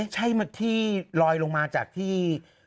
ใช่ที่ลอยลงมาจากที่